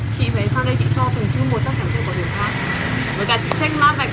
chị về sang đây chị cho từng chư một chắc chắn sẽ có điều khác